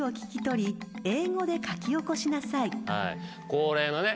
恒例のね。